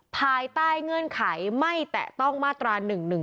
ภายใต้เงื่อนไขไม่แตะต้องมาตรา๑๑๒